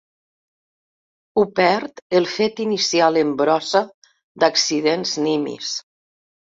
Ho perd el fet inicial en brossa d'accidents nimis.